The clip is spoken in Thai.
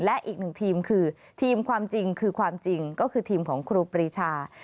และอีกหนึ่งทีมคือทีมความจริงคือความจริงก็คือทีมของครูปรีชา